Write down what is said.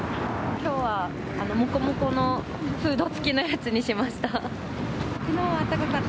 きょうはもこもこのフード付きのやつにしました。